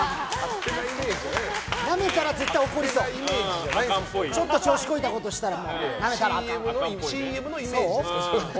なめたら絶対怒りそうちょっと調子こいたことしたら。